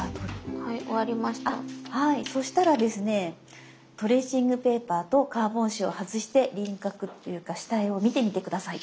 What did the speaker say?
はいそしたらですねトレーシングペーパーとカーボン紙を外して輪郭っていうか下絵を見てみて下さい。